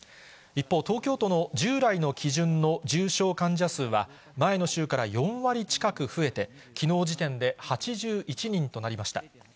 一方、東京都の従来の基準の重症患者数は、前の週から４割近く増えて、きのう時点で８１人となりました。